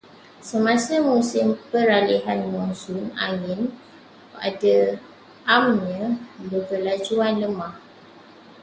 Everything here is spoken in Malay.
Semasa musim-musim peralihan monsun, angin pada amnya berkelajuan lemah.